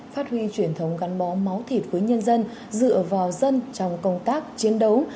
phát huy truyền thống gắn bó máu thịt với nhân dân dựa vào dân trong công tác chiến đấu